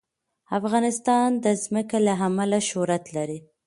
افغانستان د ځمکه له امله شهرت لري.